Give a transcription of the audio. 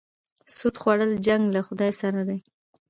سود خوړل جنګ له خدای سره دی.